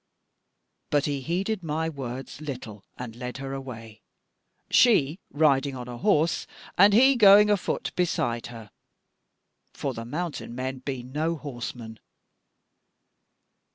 But he heeded my words little, and led her away, she riding on a horse and he going afoot beside her; for the mountain men be no horsemen."